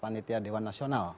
panitia dewan nasional